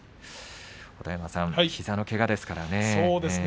音羽山さん、膝のけがですからね。